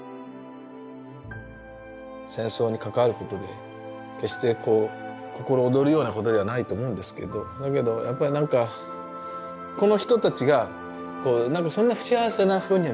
戦争に関わることで決して心躍るようなことではないと思うんですけどだけどやっぱりなんかこの人たちがそんな不幸せなふうには見えない。